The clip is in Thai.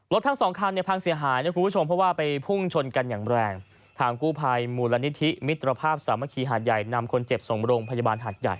ทั้งสองคันเนี่ยพังเสียหายนะคุณผู้ชมเพราะว่าไปพุ่งชนกันอย่างแรงทางกู้ภัยมูลนิธิมิตรภาพสามัคคีหาดใหญ่นำคนเจ็บส่งโรงพยาบาลหาดใหญ่